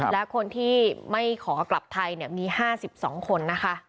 และคนที่ไม่ขอกลับไทยมี๕๒คนนะคะ